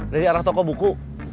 dari arah toko buku